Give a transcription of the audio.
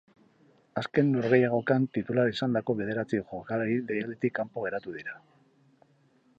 Azken norgehiagokan titular izandako bederatzi jokalari deialditik kanpo geratu dira.